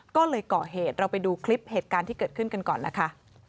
ก็เลยก่อเหตุเราไปดูคลิปเหตุการณ์ที่เกิดขึ้นกันก่อนล่ะค่ะ